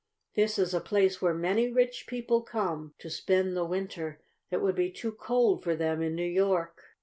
"This is a place where many rich people come to spend the winter that would be too cold for them in New York.